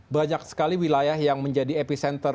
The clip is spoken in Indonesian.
banyak sekali wilayah yang menjadi epicenter